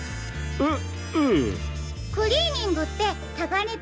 えっ？